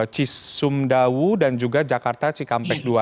cisumdawu dan juga jakarta cikampek dua